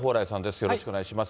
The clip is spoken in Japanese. よろしくお願いします。